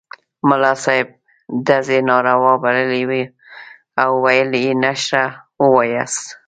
ملا صاحب ډزې ناروا بللې وې او ویل یې نشره ووایاست.